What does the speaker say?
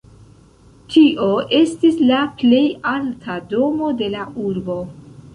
Tio estis la plej alta domo de la urbo.